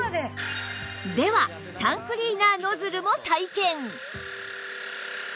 ではタンクリーナーノズルも体験